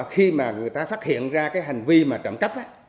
khi người ta phát hiện ra hành vi trọng cấp